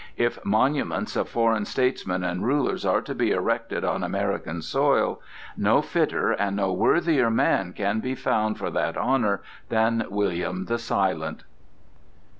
If monuments of foreign statesmen and rulers are to be erected on American soil, no fitter and no worthier man can be found for that honor than William the Silent.